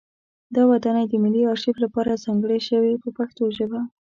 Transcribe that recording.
دا ودانۍ د ملي ارشیف لپاره ځانګړې شوه په پښتو ژبه.